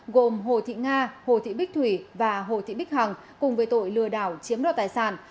gồm hồ thị nga hồ thị bích thủy và hồ thị bích hằng cùng với tội lừa đảo chiếm đoạt tài sản